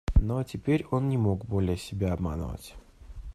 Но теперь он не мог более себя обманывать.